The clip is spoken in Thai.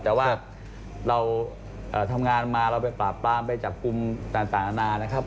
แต่ว่าเราทำงานมาเราไปปราบปรามไปจับกลุ่มต่างนานานะครับ